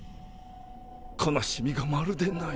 悲しみがまるでない。